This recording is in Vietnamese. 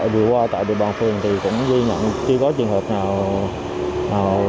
và qua tại địa bàn phường thì cũng ghi nhận khi có trường hợp nào